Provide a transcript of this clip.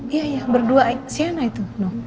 iya iya berdua sienna itu